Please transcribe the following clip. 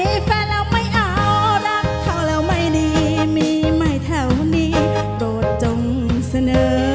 มีแฟนแล้วไม่เอารักเขาแล้วไม่ดีมีไม่แถวนี้โปรดจงเสนอ